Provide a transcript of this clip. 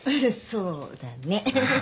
そうだね。